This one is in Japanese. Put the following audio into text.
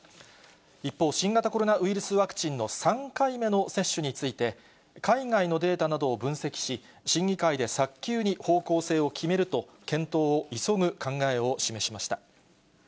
一方、新型コロナウイルスワクチンの３回目の接種について、海外のデータなどを分析し、審議会で早急に方向性を決めると、検討を急ぐ考えを示しました。